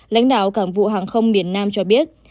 lãnh đạo cảng vụ hàng không miền nam cho biết